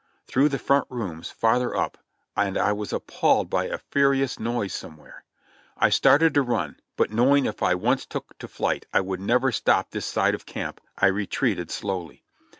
Through the front rooms — far ther up, and I was appalled by a furious noise somewhere. I started to run, but knowing if I once took to flight I would never stop this side of camp, I retreated slowly.